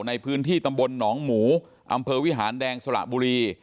ในพื้นที่ตำบลหนองหมูอำเภอวิหารแดงสระบุรี